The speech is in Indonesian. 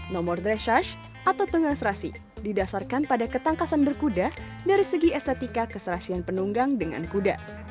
nomor dressharge atau tungasrasi didasarkan pada ketangkasan berkuda dari segi estetika keserasian penunggang dengan kuda